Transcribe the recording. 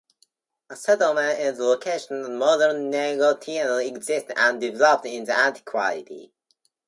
A settlement in the location of modern Negotino existed and developed in antiquity.